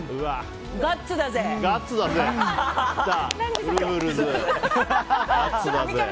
ガッツだぜ！来た。